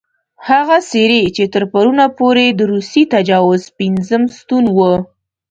هغه څېرې چې تر پرونه پورې د روسي تجاوز پېنځم ستون وو.